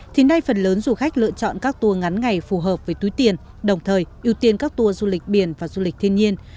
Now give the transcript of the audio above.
thì nay phần lớn du khách lựa chọn các tour ngắn ngày phù hợp với túi tiền đồng thời ưu tiên các tour du lịch biển và du lịch thiên nhiên